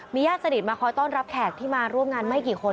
ญาติสนิทมาคอยต้อนรับแขกที่มาร่วมงานไม่กี่คน